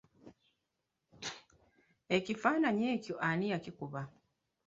Ekifaananyi ekyo ani yakikuba?